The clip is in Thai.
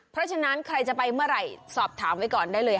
เพราะฉะนั้นใครจะไปเมื่อไหร่สอบถามไว้ก่อนได้เลย